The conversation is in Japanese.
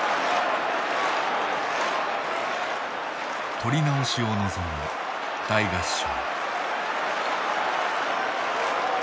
取り直しを望む大合唱。